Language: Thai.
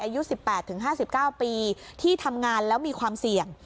อายุ๑๘๕๙ปีที่ทำงานแล้วมีความเสี่ยง